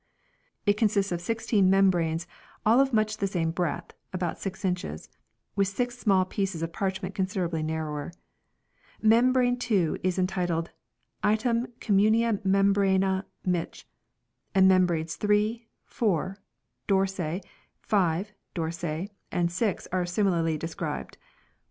It consists of sixteen membranes all of much the same breadth (about 6 inches) with six small pieces of parchment considerably narrower. Membrane 2 is entitled, " Item Communia Memoranda Mich.": and membranes 3, 4 " dorse," 5 "dorse," and 6 are similarly described.